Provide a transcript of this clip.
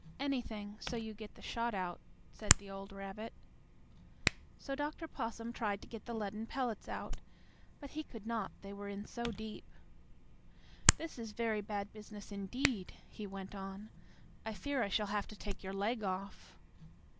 "Anything, so you get the shot out," said the old rabbit. So Dr. Possum tried to get the leaden pellets out, but he could not, they were in so deep. "This is very bad business, indeed," he went on. "I fear I shall have to take your leg off."